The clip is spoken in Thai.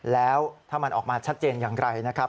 แล้วถ้ามันออกมาชัดเจนอย่างไรนะครับ